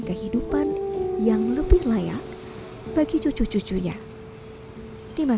kehidupan yang lebih layak bagi anak anak yang mahu menerima kehidupan yang lebih baik